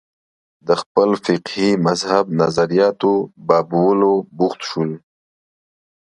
د خپل فقهي مذهب نظریاتو بابولو بوخت شول